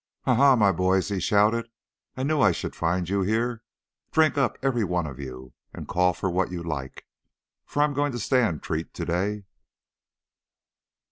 "Ha, ha! my boys," he shouted. "I knew I should find you here. Drink up, every one of you, and call for what you like, for I'm going to stand treat to day."